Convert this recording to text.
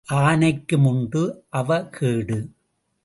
ஆனைக்கும் உண்டு அவகேடு.